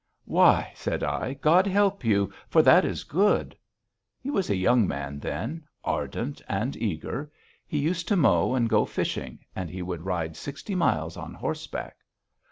'Why,' said I. 'God help you, for that is good.' He was a young man then, ardent and eager; he used to mow and go fishing, and he would ride sixty miles on horseback.